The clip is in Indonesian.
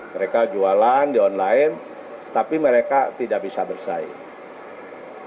mereka jualan di online tapi mereka tidak bisa bersaing